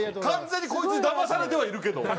完全にこいつにだまされてはいるけど。